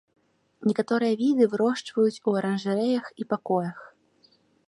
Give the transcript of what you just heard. Некаторыя віды вырошчваюць у аранжарэях і пакоях.